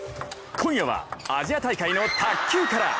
今夜はアジア大会の卓球から。